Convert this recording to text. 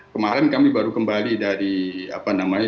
kemarin kami baru kembali dari apa namanya